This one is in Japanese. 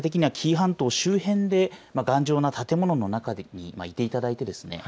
データ的には、紀伊半島周辺で頑丈な建物の中にいていただいてですね